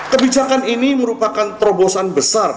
kebijakan ini merupakan terobosan besar